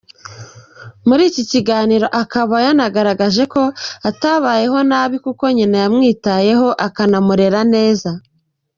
Muri iki kiganiro akaba yanagaragaje ko atabayeho nabi, kuko nyina yamwitayeho akanamurera neza.